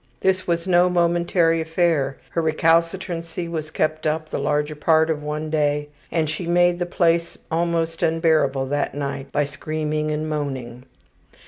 This was no momentary affair. Her recalcitrancy was kept up the larger part of one day, and she made the place almost unbearable that night by screaming and moaning.